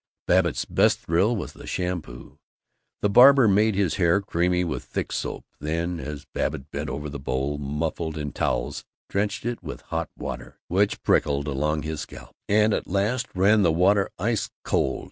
Babbitt's best thrill was in the shampoo. The barber made his hair creamy with thick soap, then (as Babbitt bent over the bowl, muffled in towels) drenched it with hot water which prickled along his scalp, and at last ran the water ice cold.